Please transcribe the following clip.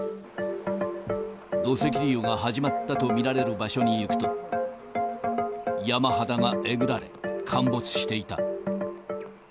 土石流が始まったと見られる場所に行くと、山肌がえぐられ、陥没していた。